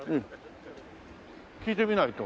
聞いてみないと。